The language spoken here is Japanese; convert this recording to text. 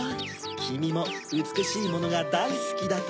きみもうつくしいものがだいすきだと。